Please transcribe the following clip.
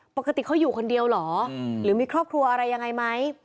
ปกติเขาอยู่คนเดียวเหรอหรือมีครอบครัวอะไรยังไงไหม